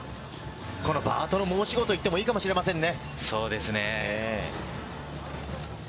このバートの申し子といってもいいかもしれませんね。